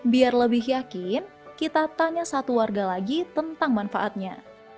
biar lebih yakin kita tanya satu warga lagi tentang manfaatnya